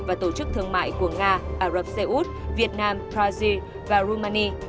và tổ chức thương mại của nga ả rập xê út việt nam brazil và rumani